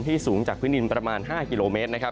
สูงจากพื้นดินประมาณ๕กิโลเมตรนะครับ